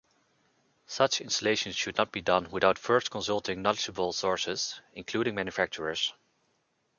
Such installations should not be done without first consulting knowledgeable sources, including manufacturers.